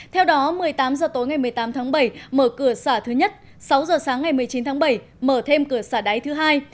theo đó một mươi tám h tối ngày một mươi tám tháng bảy mở cửa xả thứ nhất sáu h sáng ngày một mươi chín tháng bảy mở thêm cửa xả đáy thứ hai